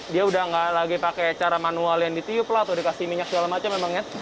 dia sudah tidak lagi pakai cara manual yang ditiuplah atau dikasih minyak segala macam memang ya